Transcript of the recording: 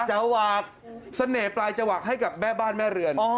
จะวากเสน่ห์ปลายจวักให้กับแม่บ้านแม่เรือน